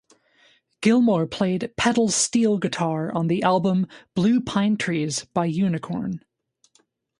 Gilmour played pedal steel guitar on the album "Blue Pine Trees" by Unicorn.